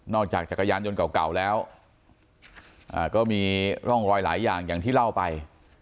จากจักรยานยนต์เก่าแล้วก็มีร่องรอยหลายอย่างอย่างที่เล่าไป